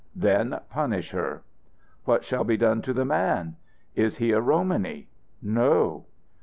"Then punish her." "What shall be done to the man?" "Is he a Romany?" "No."